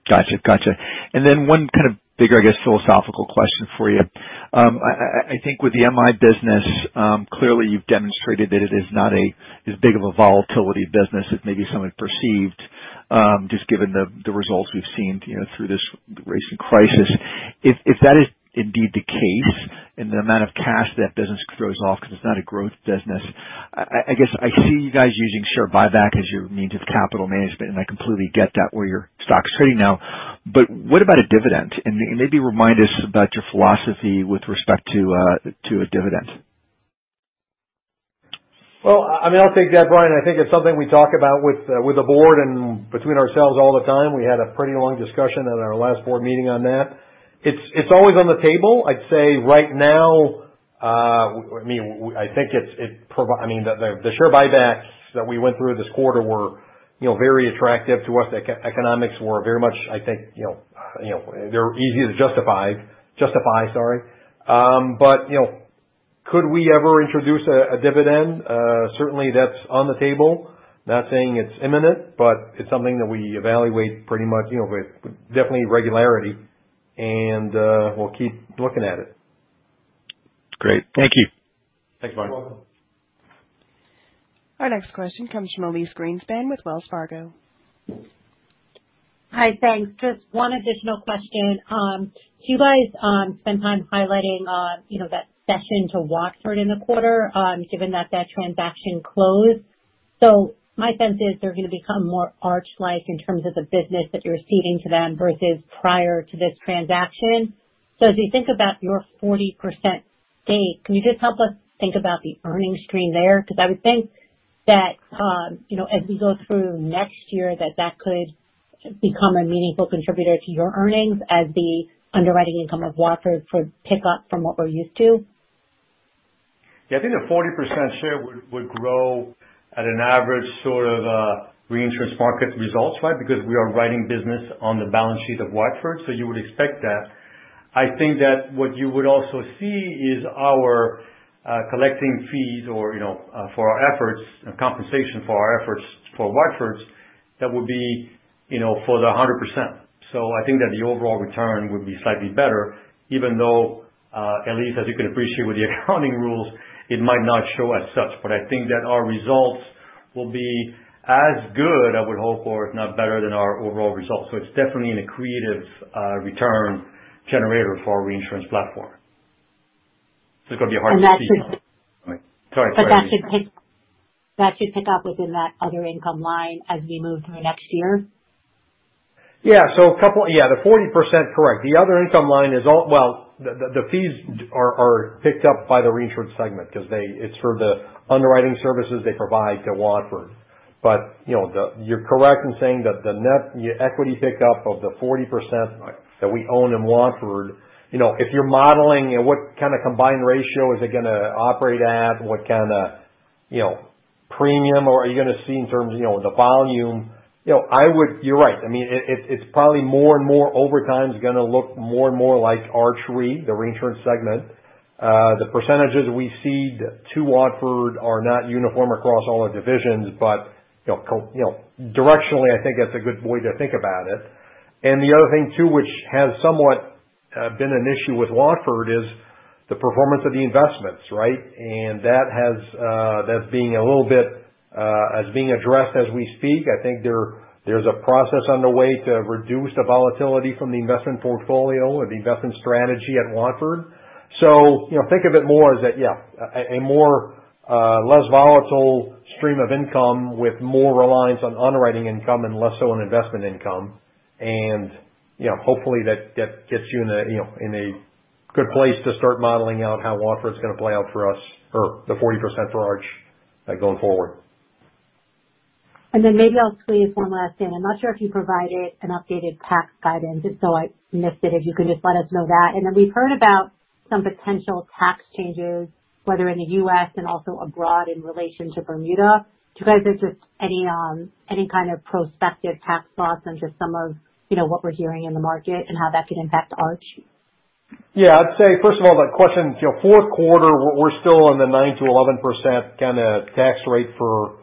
Gotcha. One kind of bigger, I guess, philosophical question for you. I think with the MI business, clearly you've demonstrated that it is not as big of a volatility business as maybe some had perceived, just given the results we've seen, you know, through this recent crisis. If that is indeed the case and the amount of cash that business throws off, 'cause it's not a growth business, I guess I see you guys using share buyback as your means of capital management, and I completely get that where your stock's trading now, but what about a dividend? Maybe remind us about your philosophy with respect to a dividend. I mean, I'll take that, Brian. I think it's something we talk about with the board and between ourselves all the time. We had a pretty long discussion at our last board meeting on that. It's always on the table. I'd say right now, I mean, I think the share buybacks that we went through this quarter were, you know, very attractive to us. Economics were very much, I think, you know, they're easy to justify. Sorry. But, you know, could we ever introduce a dividend? Certainly that's on the table. Not saying it's imminent, but it's something that we evaluate pretty much, you know, with definitely regularity. We'll keep looking at it. Great. Thank you. Thanks, Brian. You're welcome. Our next question comes from Elyse Greenspan with Wells Fargo. Hi, thanks. Just one additional question. You guys spent time highlighting, you know, that cession to Watford in the quarter, given that that transaction closed. My sense is they're gonna become more Arch-like in terms of the business that you're ceding to them versus prior to this transaction. As you think about your 40% stake, can you just help us think about the earnings stream there? Because I would think that, you know, as we go through next year, that could become a meaningful contributor to your earnings as the underwriting income of Watford could pick up from what we're used to. Yeah, I think the 40% share would grow at an average sort of, reinsurance market results, right? Because we are writing business on the balance sheet of Watford, so you would expect that. I think that what you would also see is our collecting fees or, you know, for our efforts and compensation for our efforts for Watford's, that would be, you know, for the 100%. I think that the overall return would be slightly better, even though, at least as you can appreciate with the accounting rules, it might not show as such. I think that our results will be as good, I would hope for, if not better than our overall results. It's definitely in a creative, return generator for our reinsurance platform. It's gonna be hard to see. And that should- Sorry. That should pick up within that other income line as we move through next year? Yeah. A couple. Yeah, the 40%, correct. The other income line is all. Well, the fees are picked up by the reinsurance segment because it's for the underwriting services they provide to Watford. You're correct in saying that the net, the equity pick-up of the 40% that we own in Watford, you know, if you're modeling, you know, what kind of combined ratio is it gonna operate at? What kinda, you know, premium are you gonna see in terms of, you know, the volume? You know, I would. You're right. I mean, it's probably more and more over time is gonna look more and more like Arch Re, the reinsurance segment. The percentages we cede to Watford are not uniform across all our divisions, but, you know, you know, directionally, I think that's a good way to think about it. The other thing too, which has somewhat been an issue with Watford is the performance of the investments, right? That's being addressed as we speak. I think there's a process underway to reduce the volatility from the investment portfolio or the investment strategy at Watford. You know, think of it more as that, yeah, a less volatile stream of income with more reliance on underwriting income and less so on investment income. You know, hopefully that gets you in a good place to start modeling out how Watford's gonna play out for us or the 40% for Arch going forward. Maybe I'll squeeze one last in. I'm not sure if you provided an updated tax guidance, if so I missed it. If you could just let us know that. We've heard about some potential tax changes, whether in the U.S. and also abroad in relation to Bermuda. Do you guys have just any kind of prospective tax thoughts into some of, you know, what we're hearing in the market and how that could impact Arch? Yeah. I'd say first of all, that question, you know, Q4 we're still in the 9%-11% kinda tax rate for,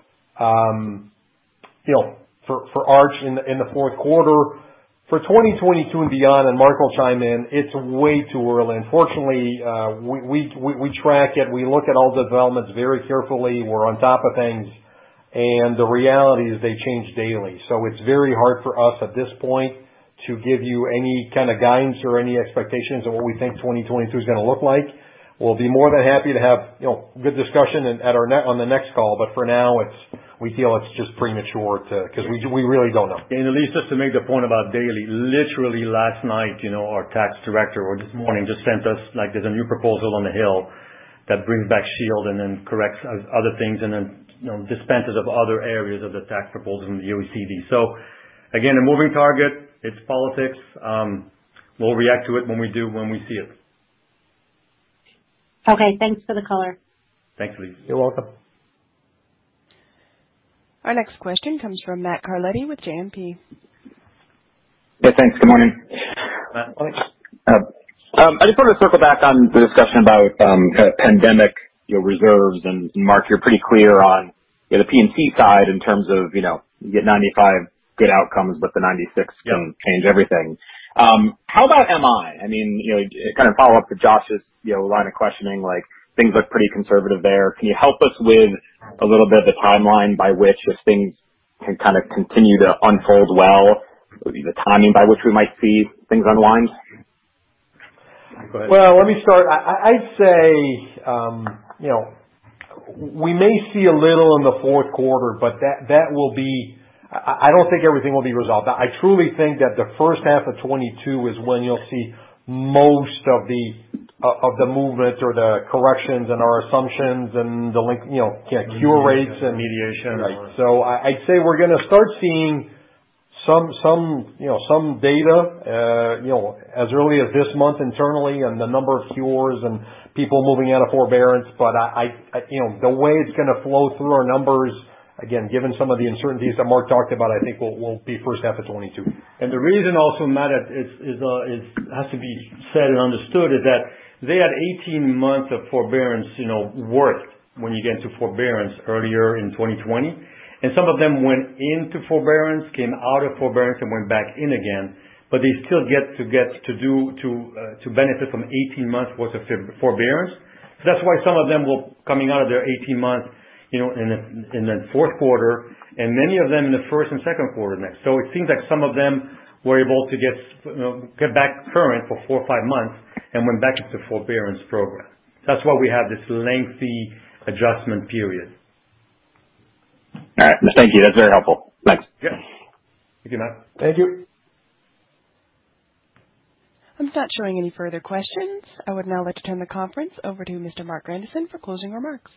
you know, for Arch in the Q4. For 2022 and beyond, and Marc will chime in, it's way too early. Unfortunately, we track it. We look at all the developments very carefully. We're on top of things. The reality is they change daily. So it's very hard for us at this point to give you any kind of guidance or any expectations on what we think 2022 is gonna look like. We'll be more than happy to have, you know, good discussion on the next call. But for now, we feel it's just premature to, 'cause we really don't know. Elyse, just to make the point about daily. Literally last night, you know, our tax director, or this morning, just sent us like there's a new proposal on the hill that brings back SHIELD and then corrects other things, and then, you know, dispenses of other areas of the tax proposal in the OECD. So again, a moving target. It's politics. We'll react to it when we do, when we see it. Okay. Thanks for the color. Thanks, Elise. You're welcome. Our next question comes from Matt Carletti with JMP. Yeah, thanks. Good morning. Matt. I just wanna circle back on the discussion about pandemic, you know, reserves. Mark, you're pretty clear on the P&C side in terms of, you know, you get 95 good outcomes, but the 96th- Yeah. Can change everything. How about MI? I mean, you know, kind of follow up to Josh's, you know, line of questioning, like things look pretty conservative there. Can you help us with a little bit of the timeline by which, if things can kind of continue to unfold well, maybe the timing by which we might see things unwind? Well, let me start. I'd say, you know, we may see a little in the Q4, but that will be. I don't think everything will be resolved. I truly think that the first half of 2022 is when you'll see most of the movement or the corrections in our assumptions and the link, you know, cure rates and Mediation. Right. I'd say we're gonna start seeing some you know some data as early as this month internally on the number of cures and people moving out of forbearance. You know the way it's gonna flow through our numbers, again, given some of the uncertainties that Marc talked about, I think will be first half of 2022. The reason also, Matt, it has to be said and understood, is that they had 18 months of forbearance, you know, worth when you get into forbearance earlier in 2020, and some of them went into forbearance, came out of forbearance, and went back in again. But they still get to benefit from 18 months worth of forbearance. So that's why some of them will, coming out of their 18 months, you know, in the Q4, and many of them in the first and Q2 next. So it seems like some of them were able to get, you know, get back current for 4 or 5 months and went back into forbearance program. That's why we have this lengthy adjustment period. All right. Thank you. That's very helpful. Thanks. Yeah. Thank you, Matt. Thank you. I'm not showing any further questions. I would now like to turn the conference over to Mr. Marc Grandisson for closing remarks.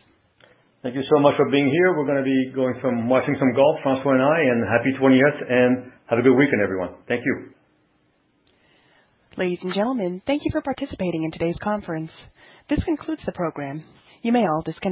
Thank you so much for being here. We're gonna be going from watching some golf, François and I. Happy 20th, and have a good weekend, everyone. Thank you. Ladies and gentlemen, thank you for participating in today's conference. This concludes the program. You may all disconnect.